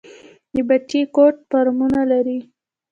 د بټي کوټ فارمونه لري